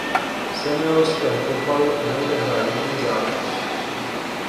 V seniorském fotbalu neodehrál jediný zápas.